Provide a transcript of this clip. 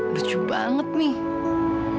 lucu banget nih